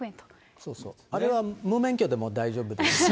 あれは無免許でも大丈夫です。